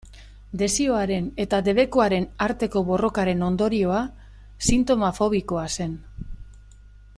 Desioaren eta debekuaren arteko borrokaren ondorioa sintoma fobikoa zen.